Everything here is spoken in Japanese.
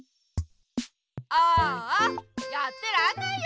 ああやってらんないよ